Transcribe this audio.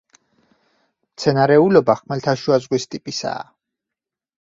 მცენარეულობა ხმელთაშუა ზღვის ტიპისაა.